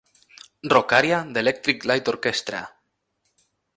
Rockaria d'Electric Light Orchestra!